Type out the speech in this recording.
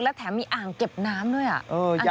และแถมมีอ่างเก็บน้ำด้วย